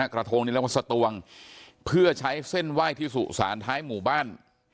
กระทงนี้เรียกว่าสตวงเพื่อใช้เส้นไหว้ที่สุสานท้ายหมู่บ้าน